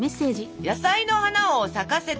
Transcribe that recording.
「野菜の花を咲かせて」。